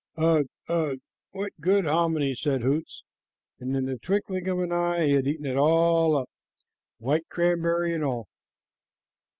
"Ugh, ugh, what good hominy!" said Hoots, and in the twinkling of an eye he had eaten it up, white cranberry and all.